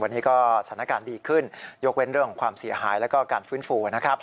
วันนี้ก็สถานการณ์ดีขึ้นยกเว้นเรื่องของความเสียหายแล้วก็การฟื้นฟูนะครับ